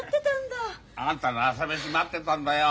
あんたの朝飯待ってたんだよ。